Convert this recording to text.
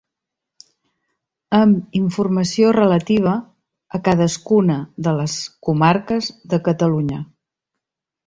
Amb informació relativa a cadascuna de les comarques de Catalunya.